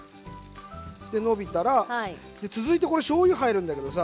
でのびたら続いてこれしょうゆ入るんだけどさ。